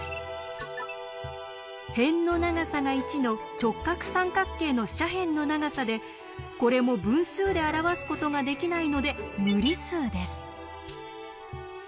辺の長さが１の直角三角形の斜辺の長さでこれも分数で表すことができないので無理数です。